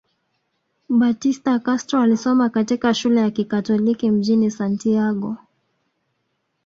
Batista Castro alisoma katika shule ya kikatoliki mjini Santiago